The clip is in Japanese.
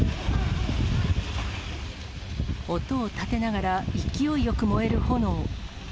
音を立てながら勢いよく燃える炎。